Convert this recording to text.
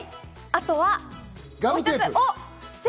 あとは？